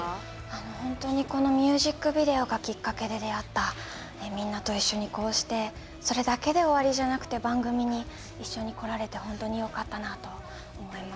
本当にこのミュージックビデオがきっかけで出会ったみんなと一緒にこうして、それだけで終わりじゃなくて番組に一緒に来られて本当によかったなと思います。